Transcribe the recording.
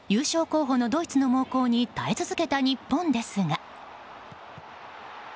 候補のドイツの猛攻に耐え続けた日本ですが。